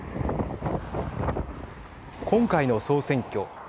今回の総選挙。